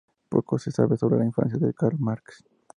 Poco se sabe sobre la infancia de Karl Marx.